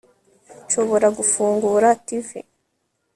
Nshobora gufungura TV